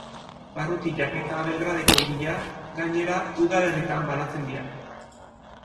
Barrutiak eta Belgradeko hiria, gainera, udalerritan banatzen dira.